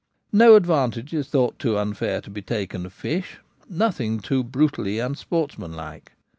No advantage is thought too unfair to be taken of fish ; nothing too brutally unsportsmanlike.